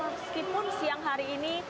meskipun siang hari ini